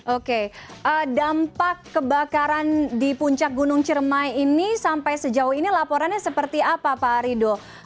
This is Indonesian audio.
oke dampak kebakaran di puncak gunung ciremai ini sampai sejauh ini laporannya seperti apa pak rido